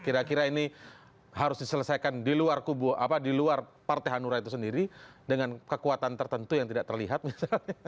kira kira ini harus diselesaikan di luar kubu apa di luar partai hanura itu sendiri dengan kekuatan tertentu yang tidak terlihat misalnya